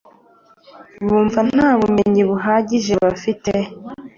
bumva nta bumenyi buhagije bafite